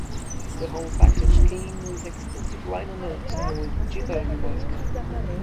The whole package came with extensive liner notes and was digitally remastered.